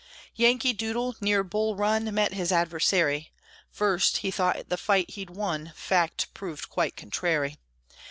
Yankee Doodle, near Bull Run, Met his adversary. First he thought the fight he'd won, Fact proved quite contrary.